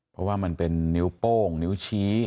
เพราะว่ามันเป็นนิ้วโป้งนิ้วชี้